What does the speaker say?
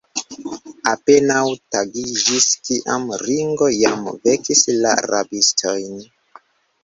Apenaŭ tagiĝis, kiam Ringo jam vekis la rabistojn.